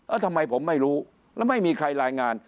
ทำไมผมไม่รู้แล้วไม่มีใครรายงาน